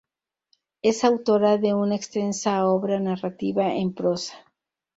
Es autora de una extensa obra narrativa en prosa.